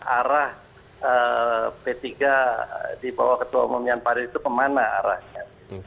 arah p tiga di bawah ketua umumnya pak rid itu kemana arahnya